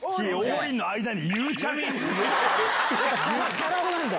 チャラ男なんで。